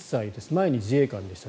前に自衛官でした。